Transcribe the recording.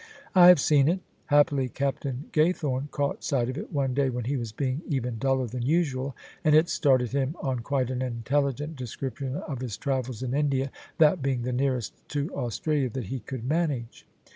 " I have seen it Happily Captain Gaythome caught sight of it one day when he was being even duller than usual, and it started him on quite an intelligent description of his travels in India — ^that being the nearest to Australia that he could manage."